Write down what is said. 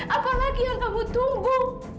aku ingin tahu apa